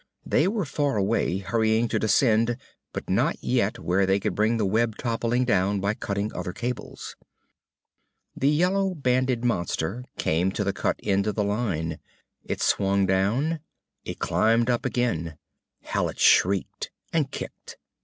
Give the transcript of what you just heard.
They were far away, hurrying to descend but not yet where they could bring the web toppling down by cutting other cables. The yellow banded monster came to the cut end of the line. It swung down. It climbed up again. Hallet shrieked and kicked.